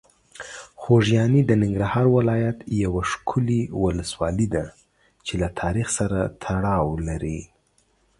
خوږیاڼي د ننګرهار ولایت یوه ښکلي ولسوالۍ ده چې له تاریخ سره تړاو لري.